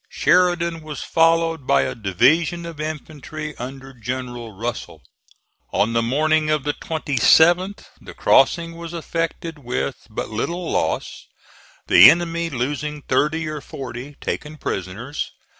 Sheridan was followed by a division of infantry under General Russell. On the morning of the 27th the crossing was effected with but little loss, the enemy losing thirty or forty, taken prisoners.